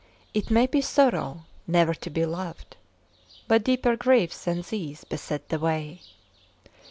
It may be sorrow never to be loved, But deeper griefs than these beset the way.